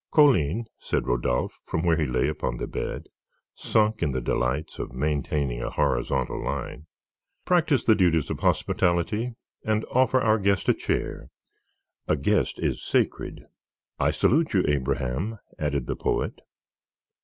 "Colline," said Rodolphe from where he lay upon the bed, sunk in the delights of maintaining a horizontal line, "practise the duties of hospitality and offer our guest a chair; a guest is sacred. I salute you, Abraham," added the poet.